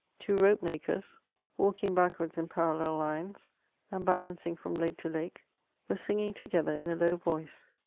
Two rope makers, walking backwards in parallel lines^ and balancing from leg to leg, were singing together in a low voice.